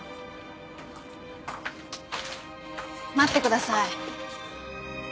待ってください。